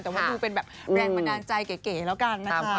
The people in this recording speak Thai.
แต่ว่าดูเป็นแบบแรงบันดาลใจเก๋แล้วกันนะคะ